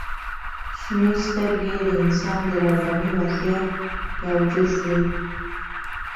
• شنې سترګې د انسان د رواني وضعیت یو جز دی.